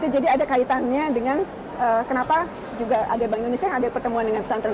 jadi ada kaitannya dengan kenapa juga ada bank indonesia yang ada pertemuan dengan pesantren